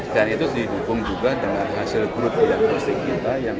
dan itu didukung juga dengan hasil grup diagnostik kita